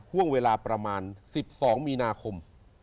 ห่วงเวลาประมาณ๑๒มีนาคม